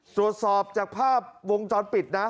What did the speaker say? ตรวจสอบจากภาพวงจรปิดนะ